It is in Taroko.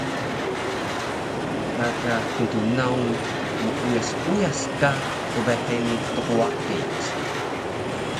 Gaga ktnaun muuyas uyas ka qbheni tqwaqic